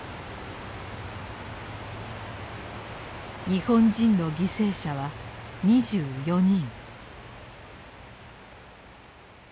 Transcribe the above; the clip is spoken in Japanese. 日本人の犠牲者は２４人。